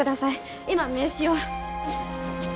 今名刺を。